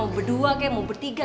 mau berdua kayak mau bertiga